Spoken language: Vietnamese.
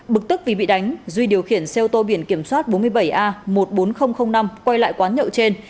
bực tức vì bị đánh duy điều khiển xe ô tô biển kiểm soát bốn mươi bảy a một mươi bốn nghìn năm quay lại quán nhậu trên